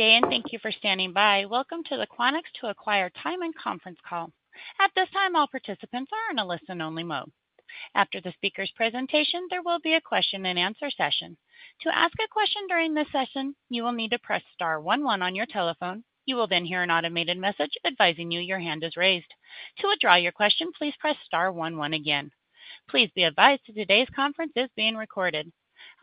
Good day and thank you for standing by. Welcome to the Quanex to Acquire Tyman conference call. At this time, all participants are in a listen-only mode. After the speaker's presentation, there will be a question-and-answer session. To ask a question during this session, you will need to press star one one on your telephone. You will then hear an automated message advising you your hand is raised. To withdraw your question, please press star one one again. Please be advised that today's conference is being recorded.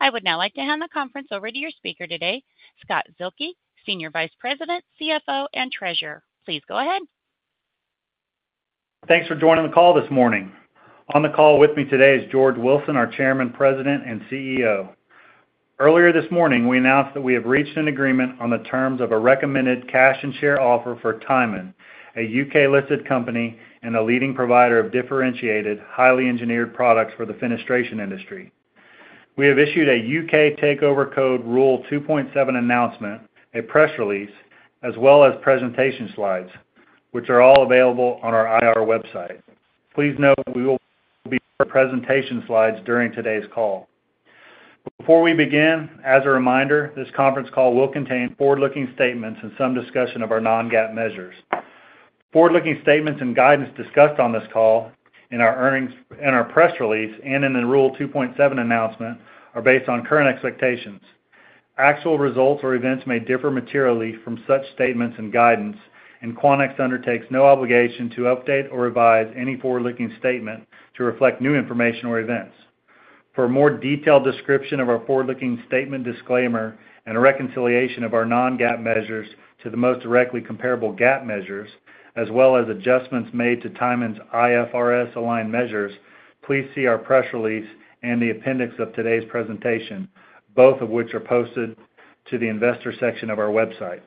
I would now like to hand the conference over to your speaker today, Scott Zuehlke, Senior Vice President, CFO, and Treasurer. Please go ahead. Thanks for joining the call this morning. On the call with me today is George Wilson, our Chairman, President, and CEO. Earlier this morning, we announced that we have reached an agreement on the terms of a recommended cash-and-share offer for Tyman, a UK-listed company and a leading provider of differentiated, highly engineered products for the fenestration industry. We have issued a UK Takeover Code Rule 2.7 announcement, a press release, as well as presentation slides, which are all available on our IR website. Please note we will be sharing presentation slides during today's call. Before we begin, as a reminder, this conference call will contain forward-looking statements and some discussion of our non-GAAP measures. Forward-looking statements and guidance discussed on this call, in our press release, and in the Rule 2.7 announcement, are based on current expectations. Actual results or events may differ materially from such statements and guidance, and Quanex undertakes no obligation to update or revise any forward-looking statement to reflect new information or events. For a more detailed description of our forward-looking statement disclaimer and a reconciliation of our non-GAAP measures to the most directly comparable GAAP measures, as well as adjustments made to Tyman's IFRS-aligned measures, please see our press release and the appendix of today's presentation, both of which are posted to the investor section of our website.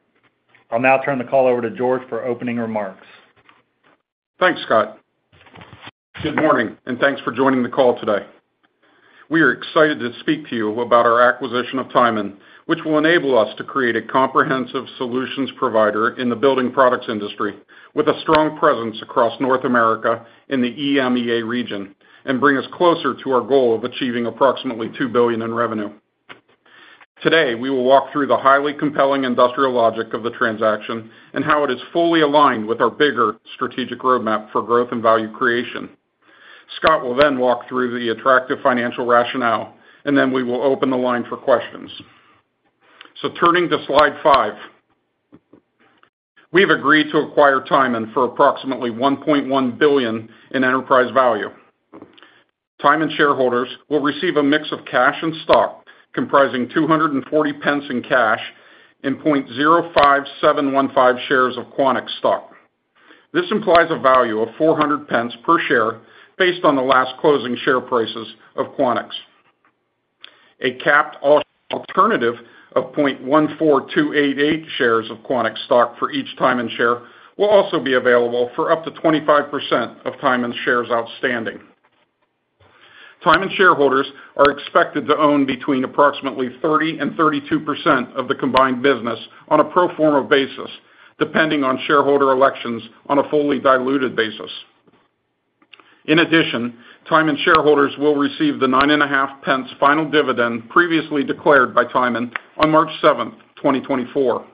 I'll now turn the call over to George for opening remarks. Thanks, Scott. Good morning, and thanks for joining the call today. We are excited to speak to you about our acquisition of Tyman, which will enable us to create a comprehensive solutions provider in the building products industry with a strong presence across North America in the EMEA region and bring us closer to our goal of achieving approximately $2 billion in revenue. Today, we will walk through the highly compelling industrial logic of the transaction and how it is fully aligned with our bigger strategic roadmap for growth and value creation. Scott will then walk through the attractive financial rationale, and then we will open the line for questions. So turning to slide five. We have agreed to acquire Tyman for approximately $1.1 billion in enterprise value. Tyman shareholders will receive a mix of cash and stock comprising $0.240 in cash and 0.05715 shares of Quanex stock. This implies a value of $0.400 per share based on the last closing share prices of Quanex. A capped alternative of 0.14288 shares of Quanex stock for each Tyman share will also be available for up to 25% of Tyman's shares outstanding. Tyman shareholders are expected to own between approximately 30%-32% of the combined business on a pro forma basis, depending on shareholder elections on a fully diluted basis. In addition, Tyman shareholders will receive the $0.095 final dividend previously declared by Tyman on March 7, 2024.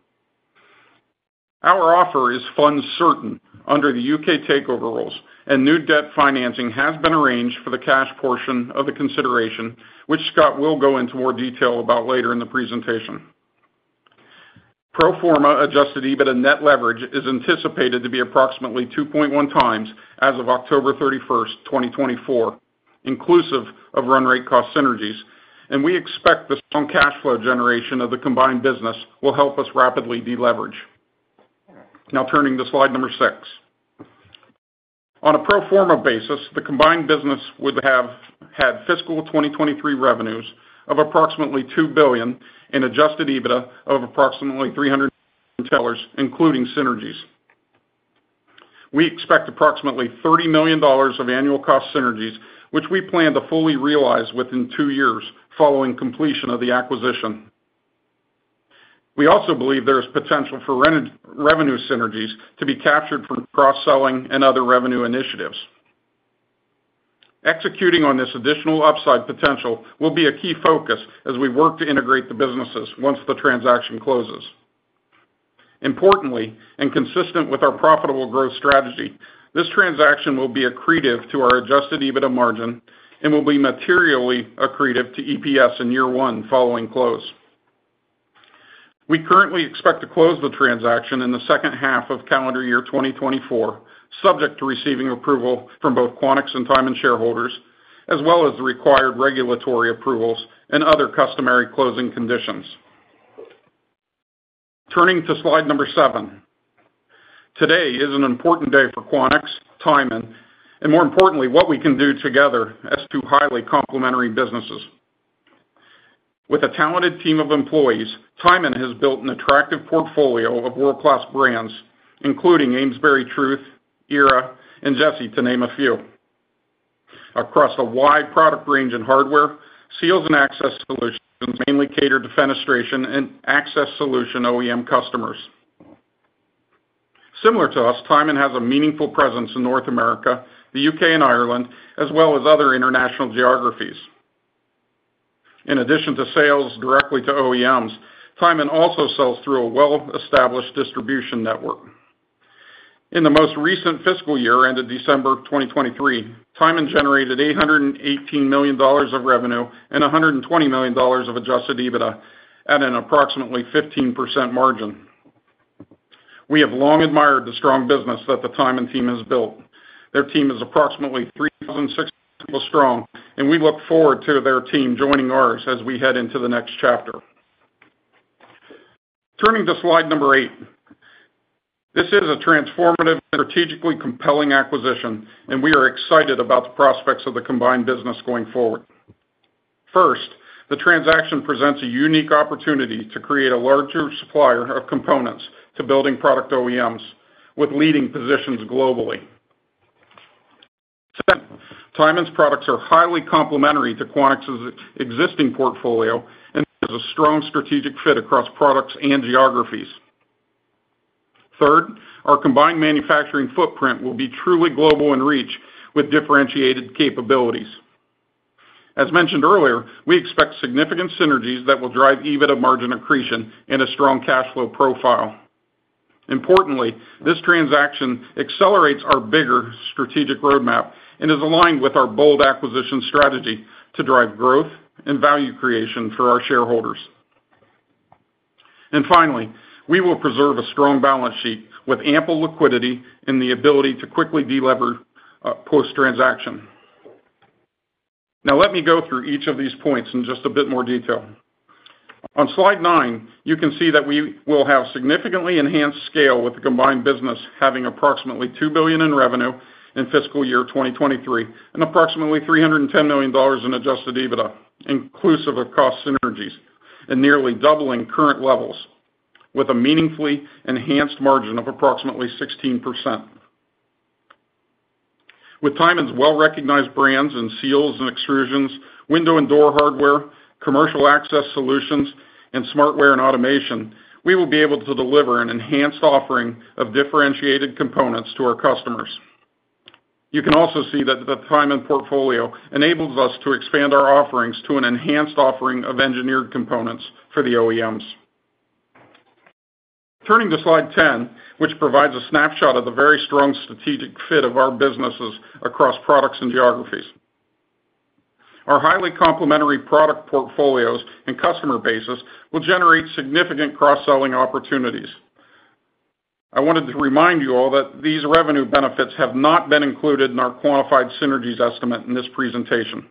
Our offer is cash certain under the UK Takeover Code, and new debt financing has been arranged for the cash portion of the consideration, which Scott will go into more detail about later in the presentation. Pro forma adjusted EBITDA net leverage is anticipated to be approximately 2.1x as of October 31, 2024, inclusive of run-rate cost synergies, and we expect the strong cash flow generation of the combined business will help us rapidly deleverage. Now turning to slide number six. On a pro forma basis, the combined business would have had fiscal 2023 revenues of approximately $2 billion and adjusted EBITDA of approximately $300 million, including synergies. We expect approximately $30 million of annual cost synergies, which we plan to fully realize within two years following completion of the acquisition. We also believe there is potential for revenue synergies to be captured from cross-selling and other revenue initiatives. Executing on this additional upside potential will be a key focus as we work to integrate the businesses once the transaction closes. Importantly, and consistent with our profitable growth strategy, this transaction will be accretive to our adjusted EBITDA margin and will be materially accretive to EPS in year one following close. We currently expect to close the transaction in the second half of calendar year 2024, subject to receiving approval from both Quanex and Tyman shareholders, as well as the required regulatory approvals and other customary closing conditions. Turning to slide number seven. Today is an important day for Quanex, Tyman, and more importantly, what we can do together as two highly complementary businesses. With a talented team of employees, Tyman has built an attractive portfolio of world-class brands, including AmesburyTruth, ERA, and Giesse, to name a few. Across a wide product range in hardware, seals and access solutions mainly cater to fenestration and access solution OEM customers. Similar to us, Tyman has a meaningful presence in North America, the U.K., and Ireland, as well as other international geographies. In addition to sales directly to OEMs, Tyman also sells through a well-established distribution network. In the most recent fiscal year, end of December 2023, Tyman generated $818 million of revenue and $120 million of adjusted EBITDA at an approximately 15% margin. We have long admired the strong business that the Tyman team has built. Their team is approximately 3,600 people strong, and we look forward to their team joining ours as we head into the next chapter. Turning to slide eight. This is a transformative, strategically compelling acquisition, and we are excited about the prospects of the combined business going forward. First, the transaction presents a unique opportunity to create a larger supplier of components to building product OEMs with leading positions globally. Second, Tyman's products are highly complementary to Quanex's existing portfolio and have a strong strategic fit across products and geographies. Third, our combined manufacturing footprint will be truly global in reach with differentiated capabilities. As mentioned earlier, we expect significant synergies that will drive EBITDA margin accretion and a strong cash flow profile. Importantly, this transaction accelerates our bigger strategic roadmap and is aligned with our bold acquisition strategy to drive growth and value creation for our shareholders. And finally, we will preserve a strong balance sheet with ample liquidity and the ability to quickly delever post-transaction. Now let me go through each of these points in just a bit more detail. On slide nine, you can see that we will have significantly enhanced scale with the combined business having approximately $2 billion in revenue in fiscal year 2023 and approximately $310 million in adjusted EBITDA, inclusive of cost synergies, and nearly doubling current levels with a meaningfully enhanced margin of approximately 16%. With Tyman's well-recognized brands and seals and extrusions, window and door hardware, commercial access solutions, and smartware and automation, we will be able to deliver an enhanced offering of differentiated components to our customers. You can also see that the Tyman portfolio enables us to expand our offerings to an enhanced offering of engineered components for the OEMs. Turning to slide 10, which provides a snapshot of the very strong strategic fit of our businesses across products and geographies. Our highly complementary product portfolios and customer bases will generate significant cross-selling opportunities. I wanted to remind you all that these revenue benefits have not been included in our quantified synergies estimate in this presentation.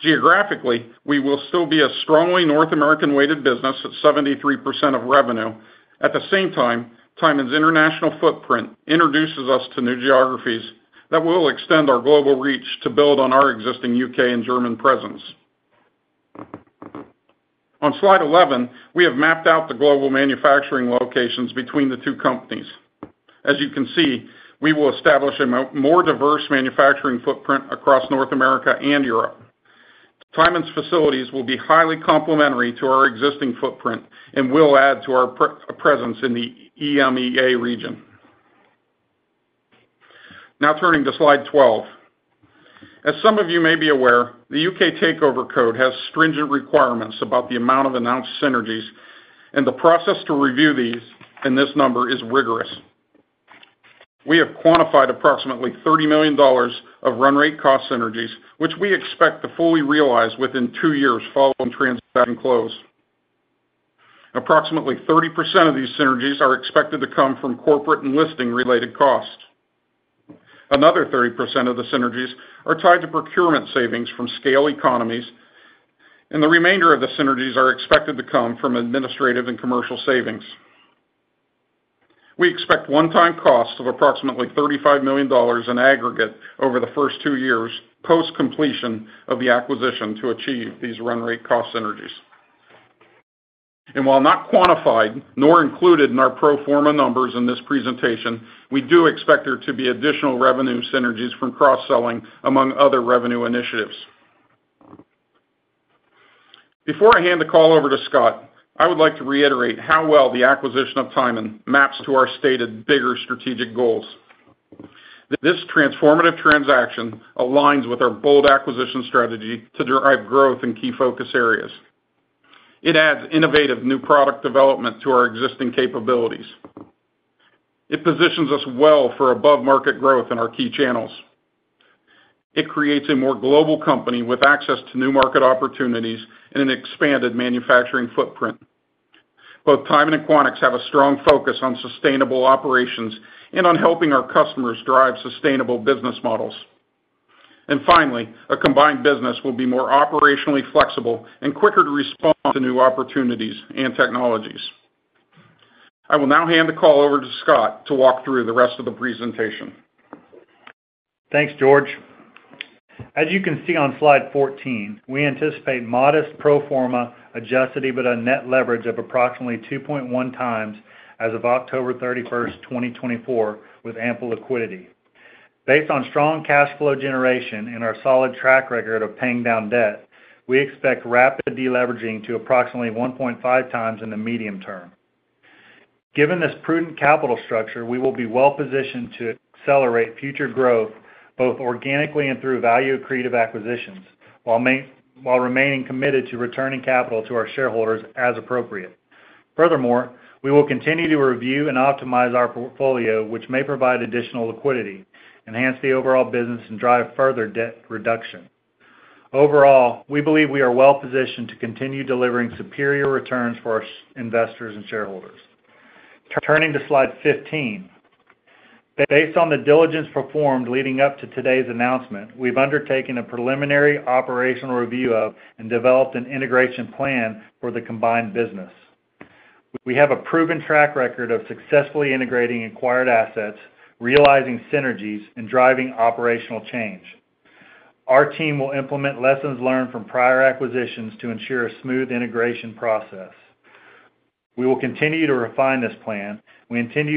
Geographically, we will still be a strongly North American-weighted business at 73% of revenue. At the same time, Tyman's international footprint introduces us to new geographies that will extend our global reach to build on our existing U.K. and German presence. On slide 11, we have mapped out the global manufacturing locations between the two companies. As you can see, we will establish a more diverse manufacturing footprint across North America and Europe. Tyman's facilities will be highly complementary to our existing footprint and will add to our presence in the EMEA region. Now turning to slide 12. As some of you may be aware, the UK Takeover Code has stringent requirements about the amount of announced synergies, and the process to review these and this number is rigorous. We have quantified approximately $30 million of run-rate cost synergies, which we expect to fully realize within two years following transaction close. Approximately 30% of these synergies are expected to come from corporate and listing-related costs. Another 30% of the synergies are tied to procurement savings from scale economies, and the remainder of the synergies are expected to come from administrative and commercial savings. We expect one-time costs of approximately $35 million in aggregate over the first two years post-completion of the acquisition to achieve these run-rate cost synergies. While not quantified nor included in our pro forma numbers in this presentation, we do expect there to be additional revenue synergies from cross-selling among other revenue initiatives. Before I hand the call over to Scott, I would like to reiterate how well the acquisition of Tyman maps to our stated bigger strategic goals. This transformative transaction aligns with our bold acquisition strategy to drive growth in key focus areas. It adds innovative new product development to our existing capabilities. It positions us well for above-market growth in our key channels. It creates a more global company with access to new market opportunities and an expanded manufacturing footprint. Both Tyman and Quanex have a strong focus on sustainable operations and on helping our customers drive sustainable business models. And finally, a combined business will be more operationally flexible and quicker to respond to new opportunities and technologies. I will now hand the call over to Scott to walk through the rest of the presentation. Thanks, George. As you can see on slide 14, we anticipate modest pro forma adjusted EBITDA net leverage of approximately 2.1x as of October 31, 2024, with ample liquidity. Based on strong cash flow generation and our solid track record of paying down debt, we expect rapid deleveraging to approximately 1.5x in the medium term. Given this prudent capital structure, we will be well-positioned to accelerate future growth both organically and through value-creative acquisitions while remaining committed to returning capital to our shareholders as appropriate. Furthermore, we will continue to review and optimize our portfolio, which may provide additional liquidity, enhance the overall business, and drive further debt reduction. Overall, we believe we are well-positioned to continue delivering superior returns for our investors and shareholders. Turning to slide 15. Based on the diligence performed leading up to today's announcement, we've undertaken a preliminary operational review of and developed an integration plan for the combined business. We have a proven track record of successfully integrating acquired assets, realizing synergies, and driving operational change. Our team will implement lessons learned from prior acquisitions to ensure a smooth integration process. We will continue to refine this plan. We intend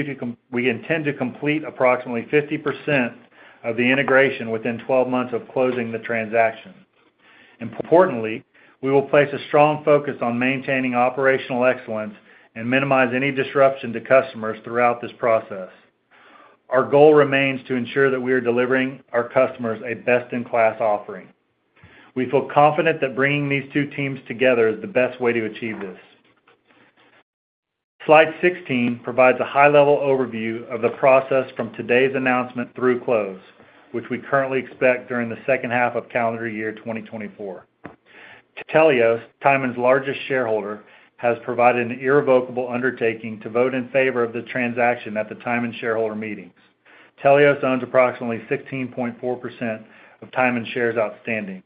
to complete approximately 50% of the integration within 12 months of closing the transaction. Importantly, we will place a strong focus on maintaining operational excellence and minimize any disruption to customers throughout this process. Our goal remains to ensure that we are delivering our customers a best-in-class offering. We feel confident that bringing these two teams together is the best way to achieve this. Slide 16 provides a high-level overview of the process from today's announcement through close, which we currently expect during the second half of calendar year 2024. Teleios, Tyman's largest shareholder, has provided an irrevocable undertaking to vote in favor of the transaction at the Tyman shareholder meetings. Teleios owns approximately 16.4% of Tyman shares outstanding.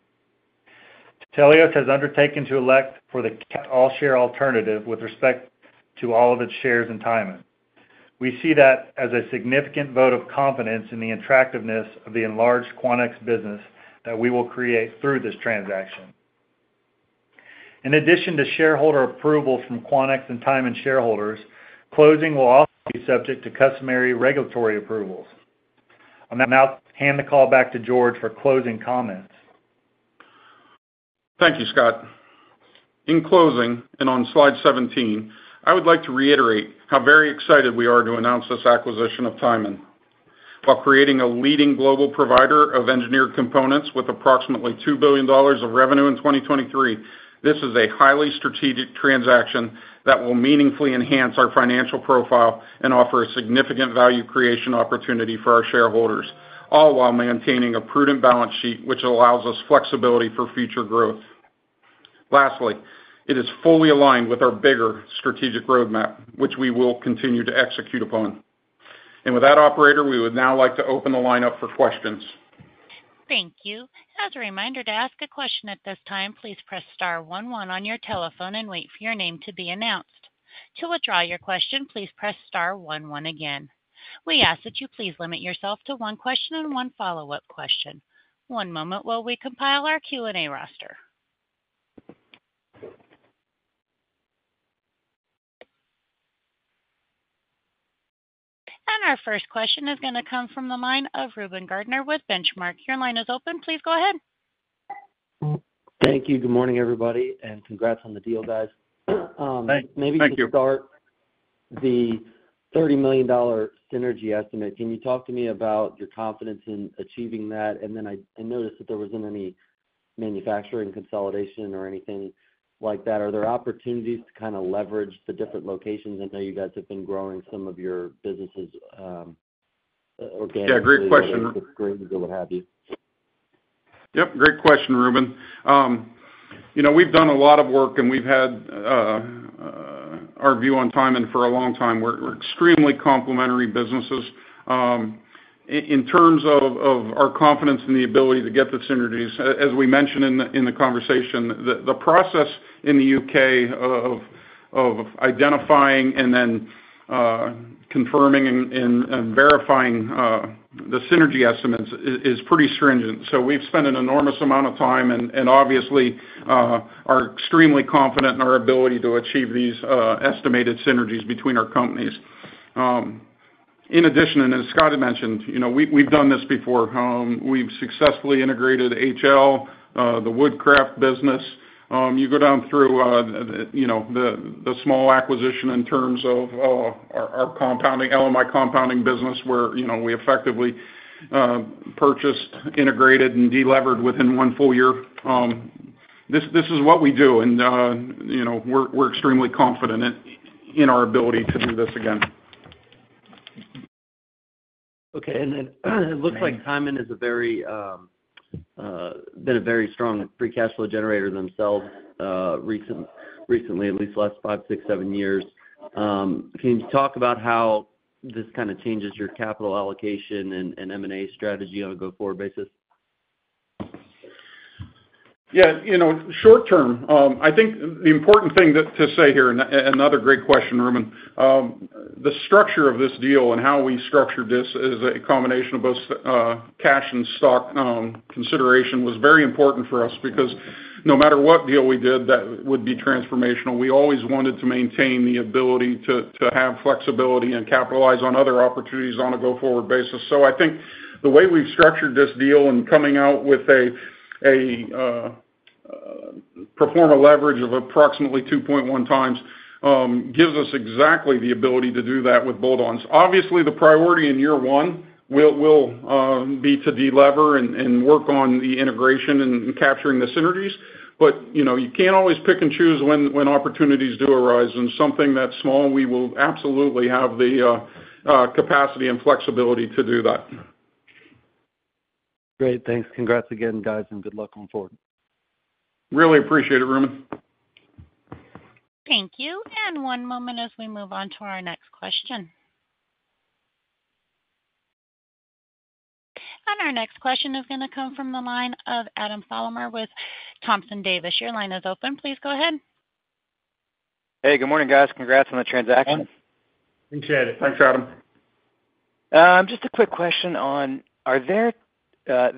Teleios has undertaken to elect for the capped all-share alternative with respect to all of its shares in Tyman. We see that as a significant vote of confidence in the attractiveness of the enlarged Quanex business that we will create through this transaction. In addition to shareholder approval from Quanex and Tyman shareholders, closing will also be subject to customary regulatory approvals. I'll now hand the call back to George for closing comments. Thank you, Scott. In closing and on slide 17, I would like to reiterate how very excited we are to announce this acquisition of Tyman. While creating a leading global provider of engineered components with approximately $2 billion of revenue in 2023, this is a highly strategic transaction that will meaningfully enhance our financial profile and offer a significant value creation opportunity for our shareholders, all while maintaining a prudent balance sheet which allows us flexibility for future growth. Lastly, it is fully aligned with our bigger strategic roadmap, which we will continue to execute upon. With that operator, we would now like to open the line up for questions. Thank you. As a reminder, to ask a question at this time, please press star one one on your telephone and wait for your name to be announced. To withdraw your question, please press star one one again. We ask that you please limit yourself to one question and one follow-up question. One moment while we compile our Q&A roster. Our first question is going to come from the line of Reuben Garner with Benchmark. Your line is open. Please go ahead. Thank you. Good morning, everybody, and congrats on the deal, guys. Maybe to start the $30 million synergy estimate, can you talk to me about your confidence in achieving that? And then I noticed that there wasn't any manufacturing consolidation or anything like that. Are there opportunities to kind of leverage the different locations? I know you guys have been growing some of your businesses organically. Yeah, great question. It's great to do what have you. Yep, great question, Reuben. We've done a lot of work, and we've had our view on Tyman for a long time. We're extremely complementary businesses. In terms of our confidence in the ability to get the synergies, as we mentioned in the conversation, the process in the U.K. of identifying and then confirming and verifying the synergy estimates is pretty stringent. So we've spent an enormous amount of time, and obviously, are extremely confident in our ability to achieve these estimated synergies between our companies. In addition, and as Scott had mentioned, we've done this before. We've successfully integrated HL, the Woodcraft business. You go down through the small acquisition in terms of our LMI compounding business where we effectively purchased, integrated, and delevered within one full year. This is what we do, and we're extremely confident in our ability to do this again. Okay. And then it looks like Tyman has been a very strong free cash flow generator themselves recently, at least the last five, six, seven years. Can you talk about how this kind of changes your capital allocation and M&A strategy on a go-forward basis? Yeah. Short-term, I think the important thing to say here and another great question, Reuben, the structure of this deal and how we structured this as a combination of both cash and stock consideration was very important for us because no matter what deal we did that would be transformational, we always wanted to maintain the ability to have flexibility and capitalize on other opportunities on a go-forward basis. So I think the way we've structured this deal and coming out with a pro forma leverage of approximately 2.1x gives us exactly the ability to do that with bolt-ons. Obviously, the priority in year one will be to delever and work on the integration and capturing the synergies, but you can't always pick and choose when opportunities do arise. And something that's small, we will absolutely have the capacity and flexibility to do that. Great. Thanks. Congrats again, guys, and good luck going forward. Really appreciate it, Reuben. Thank you. One moment as we move on to our next question. Our next question is going to come from the line of Adam Thalhimer with Thompson Davis. Your line is open. Please go ahead. Hey, good morning, guys. Congrats on the transaction. Appreciate it. Thanks, Adam. Just a quick question on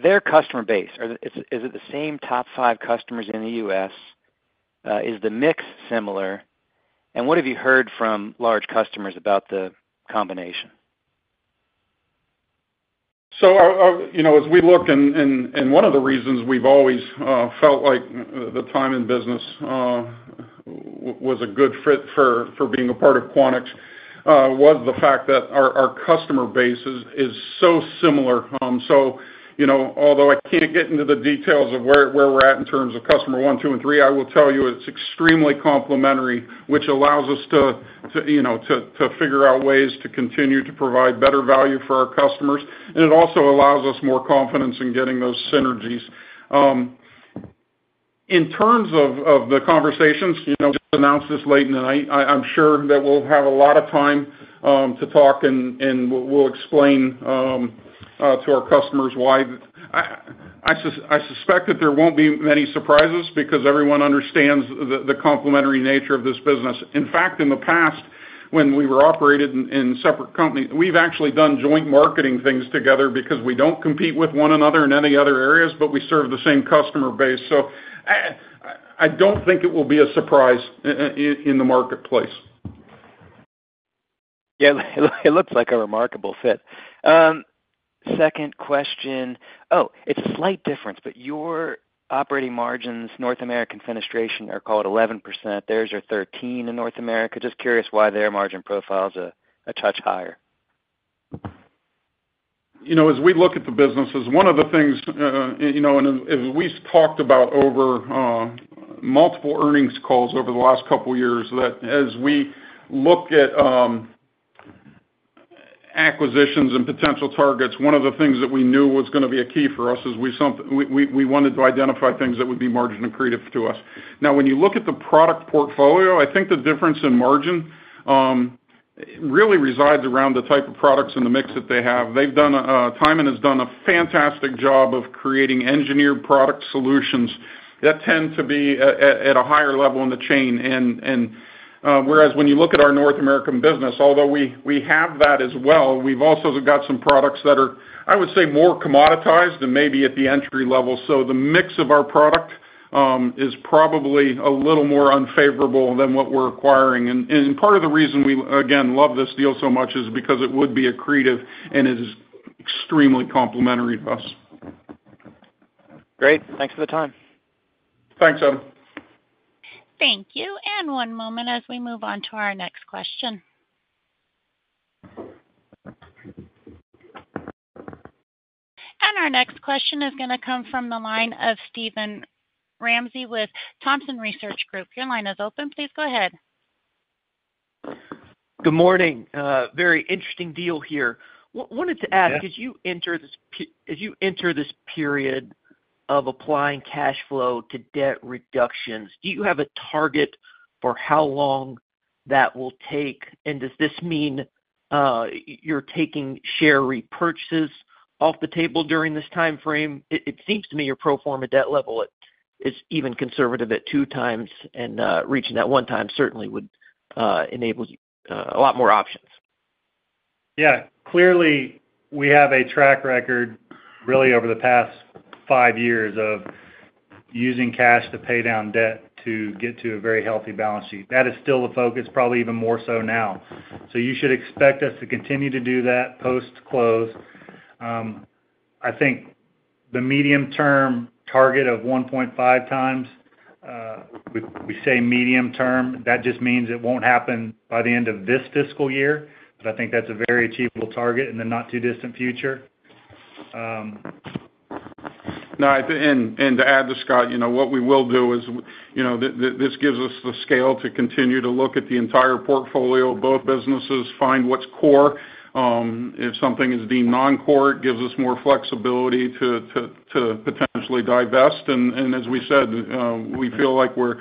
their customer base. Is it the same top five customers in the U.S.? Is the mix similar? And what have you heard from large customers about the combination? So as we look, and one of the reasons we've always felt like the Tyman business was a good fit for being a part of Quanex was the fact that our customer base is so similar. So although I can't get into the details of where we're at in terms of customer one, two, and three, I will tell you it's extremely complementary, which allows us to figure out ways to continue to provide better value for our customers. And it also allows us more confidence in getting those synergies. In terms of the conversations, we just announced this late in the night. I'm sure that we'll have a lot of time to talk, and we'll explain to our customers why. I suspect that there won't be many surprises because everyone understands the complementary nature of this business. In fact, in the past, when we were operated in separate companies, we've actually done joint marketing things together because we don't compete with one another in any other areas, but we serve the same customer base. So I don't think it will be a surprise in the marketplace. Yeah, it looks like a remarkable fit. Second question. Oh, it's a slight difference, but your operating margins, North American fenestration, are called 11%. Theirs are 13% in North America. Just curious why their margin profile is a touch higher. As we look at the businesses, one of the things and as we've talked about over multiple earnings calls over the last couple of years that as we look at acquisitions and potential targets, one of the things that we knew was going to be a key for us is we wanted to identify things that would be margin-accretive to us. Now, when you look at the product portfolio, I think the difference in margin really resides around the type of products in the mix that they have. Tyman has done a fantastic job of creating engineered product solutions that tend to be at a higher level in the chain. And whereas when you look at our North American business, although we have that as well, we've also got some products that are, I would say, more commoditized and maybe at the entry level. The mix of our product is probably a little more unfavorable than what we're acquiring. Part of the reason we, again, love this deal so much is because it would be accretive and is extremely complementary to us. Great. Thanks for the time. Thanks, Adam. Thank you. And one moment as we move on to our next question. And our next question is going to come from the line of Steven Ramsey with Thompson Research Group. Your line is open. Please go ahead. Good morning. Very interesting deal here. Wanted to ask, as you enter this period of applying cash flow to debt reductions, do you have a target for how long that will take? And does this mean you're taking share repurchases off the table during this timeframe? It seems to me your pro forma debt level is even conservative at 2x, and reaching that 1x certainly would enable a lot more options. Yeah. Clearly, we have a track record really over the past five years of using cash to pay down debt to get to a very healthy balance sheet. That is still the focus, probably even more so now. So you should expect us to continue to do that post-close. I think the medium-term target of 1.5x, we say medium-term, that just means it won't happen by the end of this fiscal year. But I think that's a very achievable target in the not-too-distant future. No. And to add to Scott, what we will do is this gives us the scale to continue to look at the entire portfolio, both businesses, find what's core. If something is deemed non-core, it gives us more flexibility to potentially divest. And as we said, we feel like we're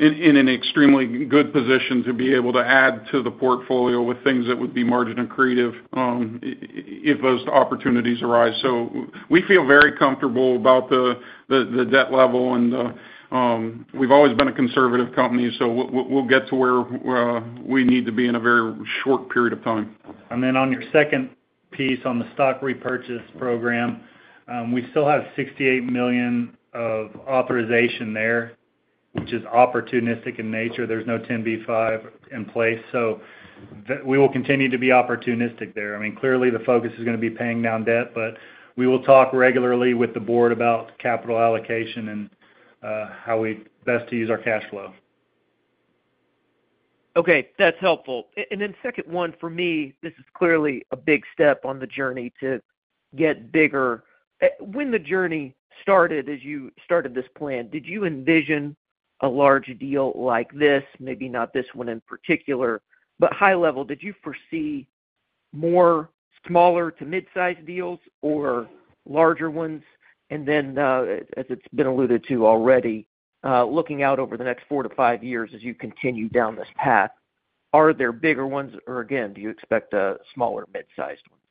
in an extremely good position to be able to add to the portfolio with things that would be margin-accretive if those opportunities arise. So we feel very comfortable about the debt level, and we've always been a conservative company, so we'll get to where we need to be in a very short period of time. Then on your second piece on the stock repurchase program, we still have $68 million of authorization there, which is opportunistic in nature. There's no 10b5-1 in place. So we will continue to be opportunistic there. I mean, clearly, the focus is going to be paying down debt, but we will talk regularly with the board about capital allocation and how best to use our cash flow. Okay. That's helpful. And then second one, for me, this is clearly a big step on the journey to get bigger. When the journey started, as you started this plan, did you envision a large deal like this, maybe not this one in particular, but high level, did you foresee more smaller to midsize deals or larger ones? And then, as it's been alluded to already, looking out over the next four to five years as you continue down this path, are there bigger ones? Or again, do you expect smaller midsized ones?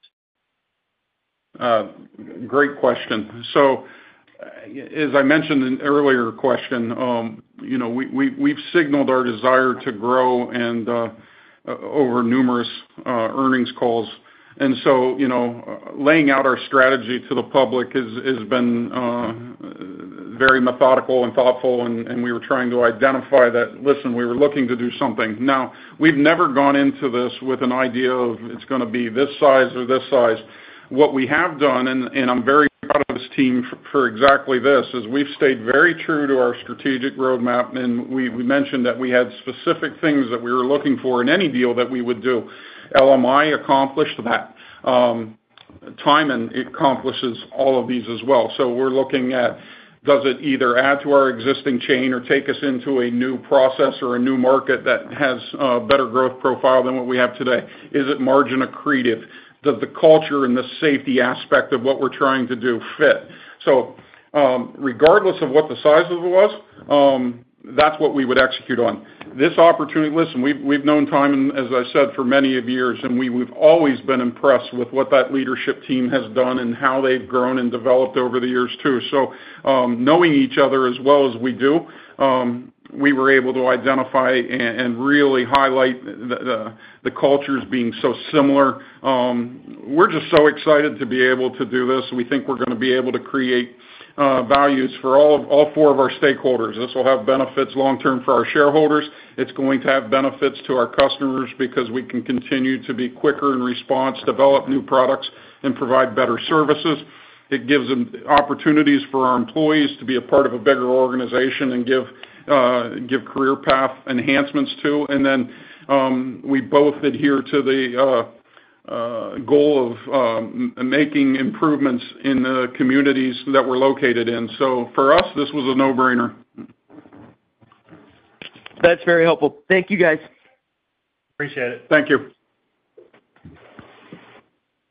Great question. So as I mentioned in the earlier question, we've signaled our desire to grow over numerous earnings calls. And so laying out our strategy to the public has been very methodical and thoughtful, and we were trying to identify that, "Listen, we were looking to do something." Now, we've never gone into this with an idea of it's going to be this size or this size. What we have done, and I'm very proud of this team for exactly this, is we've stayed very true to our strategic roadmap. And we mentioned that we had specific things that we were looking for in any deal that we would do. LMI accomplished that. Tyman accomplishes all of these as well. So we're looking at, does it either add to our existing chain or take us into a new process or a new market that has a better growth profile than what we have today? Is it margin accretive? Does the culture and the safety aspect of what we're trying to do fit? So regardless of what the size of it was, that's what we would execute on. Listen, we've known Tyman, as I said, for many years, and we've always been impressed with what that leadership team has done and how they've grown and developed over the years too. So knowing each other as well as we do, we were able to identify and really highlight the cultures being so similar. We're just so excited to be able to do this. We think we're going to be able to create value for all four of our stakeholders. This will have benefits long-term for our shareholders. It's going to have benefits to our customers because we can continue to be quicker in response, develop new products, and provide better services. It gives opportunities for our employees to be a part of a bigger organization and give career path enhancements too. And then we both adhere to the goal of making improvements in the communities that we're located in. So for us, this was a no-brainer. That's very helpful. Thank you, guys. Appreciate it. Thank you.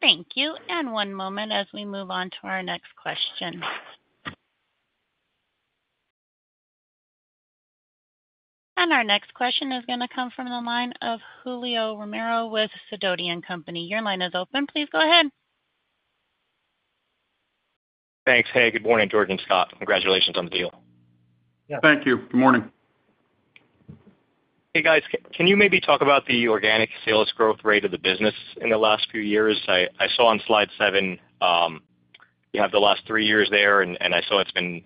Thank you. One moment as we move on to our next question. Our next question is going to come from the line of Julio Romero with Sidoti & Company. Your line is open. Please go ahead. Thanks. Hey, good morning, George and Scott. Congratulations on the deal. Thank you. Good morning. Hey, guys. Can you maybe talk about the organic sales growth rate of the business in the last few years? I saw on slide seven, you have the last three years there, and I saw it's been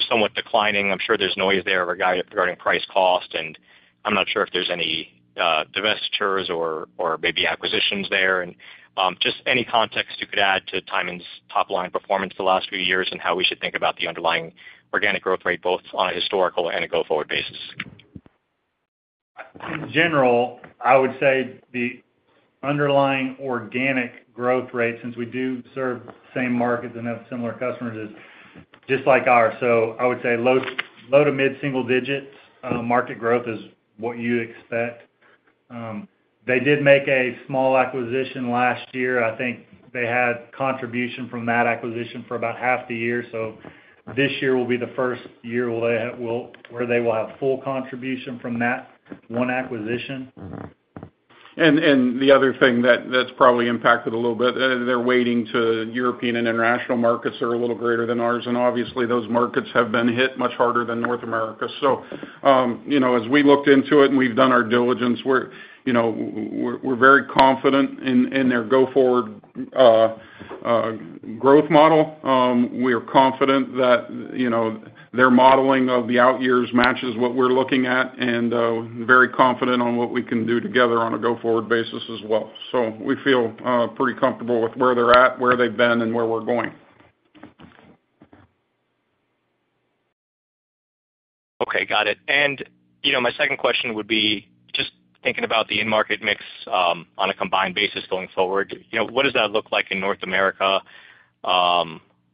somewhat declining. I'm sure there's noise there regarding price cost, and I'm not sure if there's any divestitures or maybe acquisitions there. Just any context you could add to Tyman's top-line performance the last few years and how we should think about the underlying organic growth rate, both on a historical and a go forward basis. In general, I would say the underlying organic growth rate, since we do serve same markets and have similar customers, is just like ours. So I would say low to mid-single digit market growth is what you expect. They did make a small acquisition last year. I think they had contribution from that acquisition for about half the year. So this year will be the first year where they will have full contribution from that one acquisition. The other thing that's probably impacted a little bit, they're weighted to European and international markets that are a little greater than ours. Obviously, those markets have been hit much harder than North America. So as we looked into it and we've done our diligence, we're very confident in their go forward growth model. We are confident that their modeling of the out years matches what we're looking at and very confident on what we can do together on a go forward basis as well. So we feel pretty comfortable with where they're at, where they've been, and where we're going. Okay. Got it. My second question would be just thinking about the in-market mix on a combined basis going forward, what does that look like in North America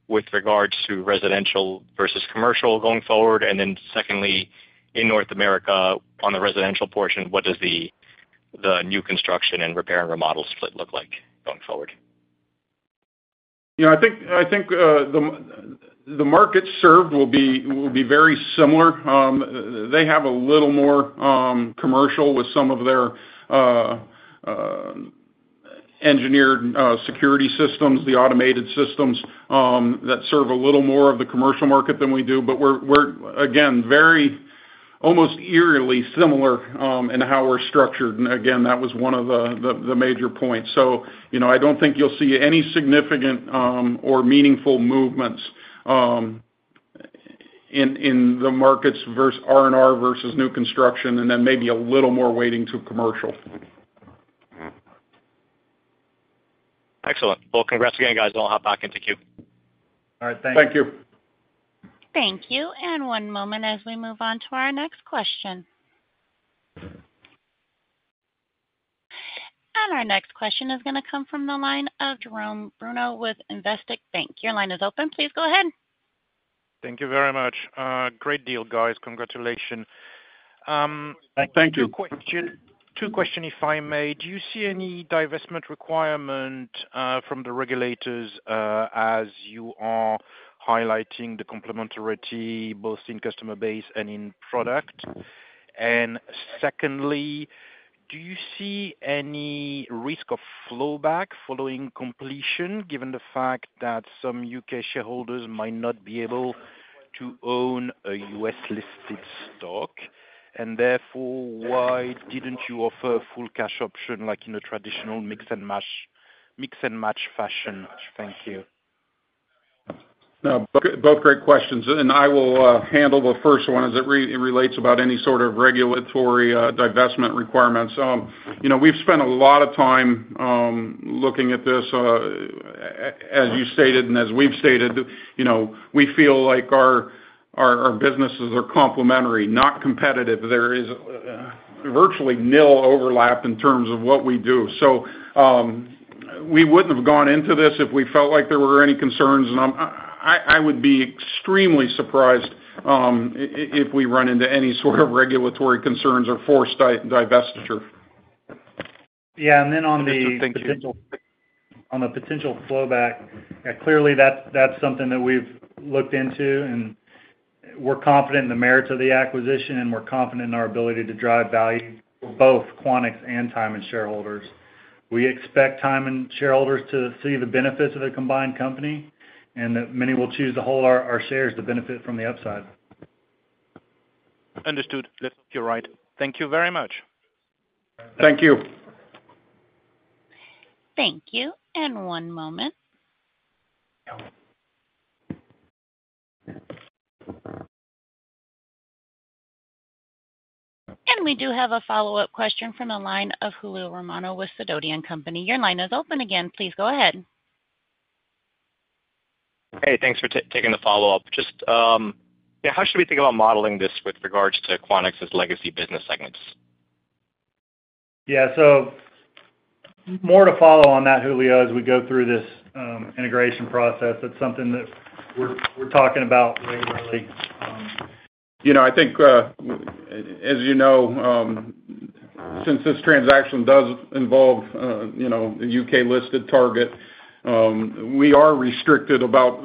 with regards to residential versus commercial going forward? And then secondly, in North America, on the residential portion, what does the new construction and repair and remodel split look like going forward? I think the markets served will be very similar. They have a little more commercial with some of their engineered security systems, the automated systems that serve a little more of the commercial market than we do. But we're, again, almost eerily similar in how we're structured. And again, that was one of the major points. So I don't think you'll see any significant or meaningful movements in the markets versus R&R versus new construction and then maybe a little more weighting to commercial. Excellent. Well, congrats again, guys. I'll hop back into queue. All right. Thanks. Thank you. Thank you. One moment as we move on to our next question. Our next question is going to come from the line of Jerome Bruno with Investec Bank. Your line is open. Please go ahead. Thank you very much. Great deal, guys. Congratulations. Thank you. Two questions, if I may. Do you see any divestment requirement from the regulators as you are highlighting the complementarity both in customer base and in product? And secondly, do you see any risk of flowback following completion given the fact that some U.K. shareholders might not be able to own a U.S.-listed stock? And therefore, why didn't you offer a full cash option like in a traditional mix and match fashion? Thank you. No. Both great questions. And I will handle the first one as it relates about any sort of regulatory divestment requirements. We've spent a lot of time looking at this. As you stated and as we've stated, we feel like our businesses are complementary, not competitive. There is virtually nil overlap in terms of what we do. So we wouldn't have gone into this if we felt like there were any concerns. And I would be extremely surprised if we run into any sort of regulatory concerns or forced divestiture. Yeah. And then on the potential flowback, yeah, clearly, that's something that we've looked into. We're confident in the merit of the acquisition, and we're confident in our ability to drive value for both Quanex and Tyman shareholders. We expect Tyman shareholders to see the benefits of the combined company and that many will choose to hold our shares to benefit from the upside. Understood. That's absolutely right. Thank you very much. Thank you. Thank you. One moment. We do have a follow-up question from the line of Julio Romero with Sidoti & Company. Your line is open again. Please go ahead. Hey. Thanks for taking the follow-up. Yeah. How should we think about modeling this with regards to Quanex's legacy business segments? Yeah. So more to follow on that, Julio, as we go through this integration process. That's something that we're talking about regularly. I think, as you know, since this transaction does involve the U.K.-listed target, we are restricted about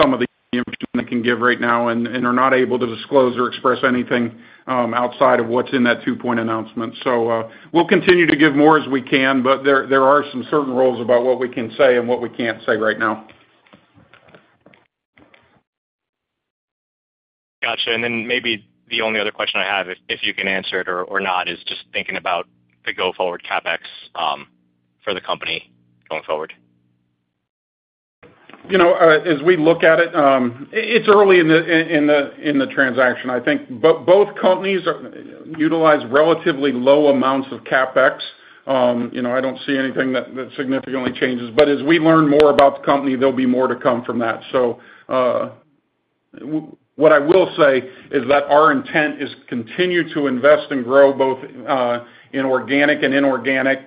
some of the information that we can give right now and are not able to disclose or express anything outside of what's in that 2.7 announcement. So we'll continue to give more as we can, but there are some certain rules about what we can say and what we can't say right now. Gotcha. And then maybe the only other question I have, if you can answer it or not, is just thinking about the go forward CapEx for the company going forward. As we look at it, it's early in the transaction, I think. Both companies utilize relatively low amounts of CapEx. I don't see anything that significantly changes. But as we learn more about the company, there'll be more to come from that. So what I will say is that our intent is to continue to invest and grow both in organic and inorganic,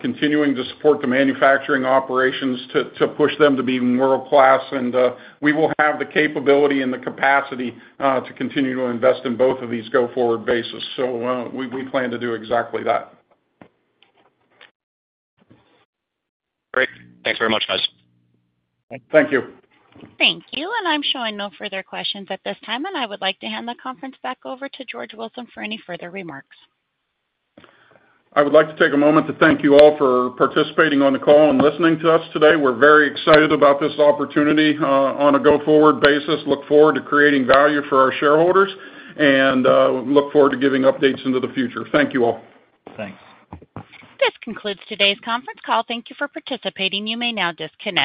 continuing to support the manufacturing operations to push them to be world-class. And we will have the capability and the capacity to continue to invest in both of these go forward bases. So we plan to do exactly that. Great. Thanks very much, guys. Thank you. Thank you. And I'm showing no further questions at this time, and I would like to hand the conference back over to George Wilson for any further remarks. I would like to take a moment to thank you all for participating on the call and listening to us today. We're very excited about this opportunity on a go forward basis, look forward to creating value for our shareholders, and look forward to giving updates into the future. Thank you all. Thanks. This concludes today's conference call. Thank you for participating. You may now disconnect.